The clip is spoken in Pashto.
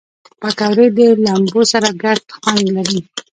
پکورې د لمبو سره ګډ خوند لري